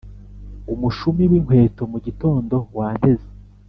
umushumi winkweto mugitondo wanteze